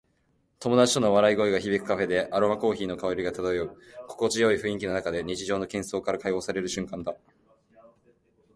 友達との笑い声が響くカフェで、アロマコーヒーの香りが漂う。心地よい雰囲気の中で、日常の喧騒から解放される瞬間だ。